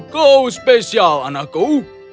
kau spesial anakku